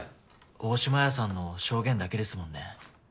大島綾さんの証言だけですもんね。